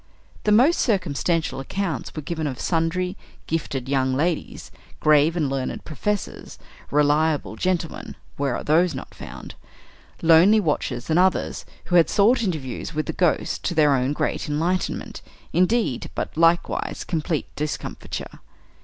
The most circumstantial accounts were given of sundry "gifted young ladies," "grave and learned professors," "reliable gentlemen" where are those not found? "lonely watchers," and others, who had sought interviews with the "ghost," to their own great enlightenment, indeed, but, likewise, complete discomfiture.